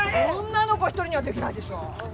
女の子１人にはできないでしょ